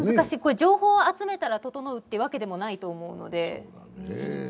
情報を集めたら整うというわけでもないと思うので。